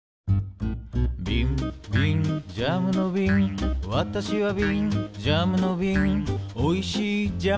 「びんびんジャムのびんわたしはびん」「ジャムのびんおいしいジャムをいれていた」